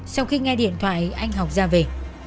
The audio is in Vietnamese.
sau khi nghe điện thoại anh học ra về